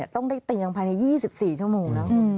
ต้องได้เตียงภายใน๒๔ชั่วโมงนะ